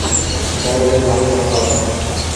বলদের বাচ্চা সব!